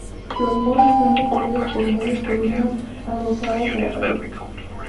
Los muros están recorridos por medias columnas adosadas a la pared.